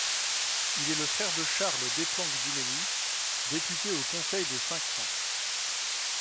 Il est le frère de Charles Desplanques-Dumesnil, député au Conseil des Cinq-Cents.